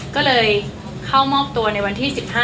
ก็เลยเข้ามอบตัวในวันที่๑๕